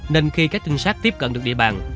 nên khi các trinh sát tiếp cận được địa bàn